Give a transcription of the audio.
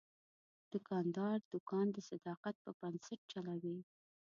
دوکاندار دوکان د صداقت په بنسټ چلوي.